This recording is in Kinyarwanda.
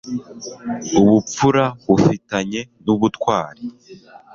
ubupfura bufitanye n'ubutwari